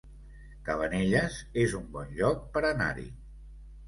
Cabanelles es un bon lloc per anar-hi